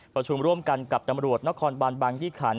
ประชุมร่วมกันกับตำรวจนครบานบางยี่ขัน